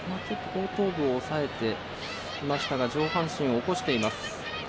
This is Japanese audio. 後頭部を押さえていましたが上半身を起こしています。